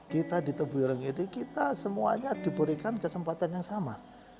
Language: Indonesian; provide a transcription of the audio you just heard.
kita di tebuireng ini kita semuanya diberikan kesempatan yang sama